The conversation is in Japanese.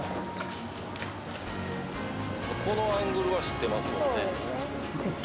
「このアングルは知ってますもんね」